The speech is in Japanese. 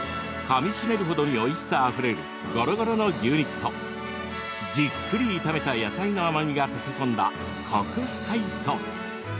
かみしめるほどにおいしさあふれるゴロゴロの牛肉とじっくり炒めた野菜の甘みが溶け込んだ、コク深いソース。